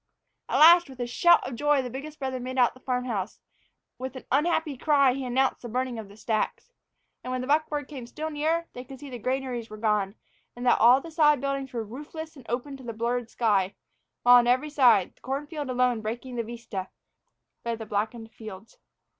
At last, with a shout of joy, the biggest brother made out the farm house; with an unhappy cry he announced the burning of the stacks. And when the buckboard came still nearer, they could see that the granaries were gone, and that all the sod buildings were roofless and open to the blurred sky, while on every side the corn field alone breaking the vista lay the blackened fields.